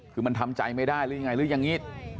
คือมันทำใจไม่ได้หรือยังไงหรืออย่างนี้